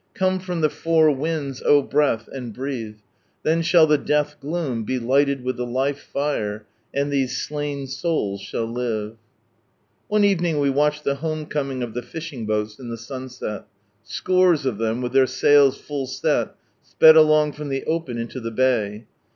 Come from the four winds, O Breath, and breathe ! Then shall the death gloom be . lighted with the life fire, and these slain souls shall live 1 ... One evening we watched the home coming of ihe fishing boats in tbe sunset ;| scores of them, with their sails full set, sped along from the open into the bay.